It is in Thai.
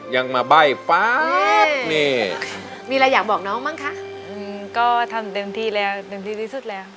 ยังมาใบ้ฟ้านี่มีอะไรอยากบอกน้องบ้างคะอืมก็ทำเต็มที่แล้วเต็มที่ที่สุดแล้ว